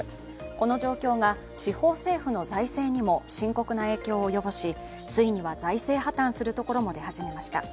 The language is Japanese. この状況が地方政府の財政にも深刻な影響を及ぼしついには財政破綻するところも出始めました。